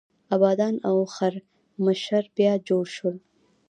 ابادان او خرمشهر بیا جوړ شول.